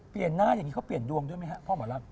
เปลี่ยนหน้าอย่างนี้เขาเปลี่ยนดวงด้วยไหมครับพ่อหมอรัก